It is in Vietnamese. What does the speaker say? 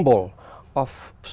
trong hợp tác